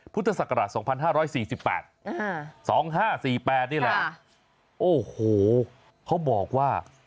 พุทธศักราช๒๕๔๘๒๕๔๘นี่แหละโอ้โหเขาบอกว่า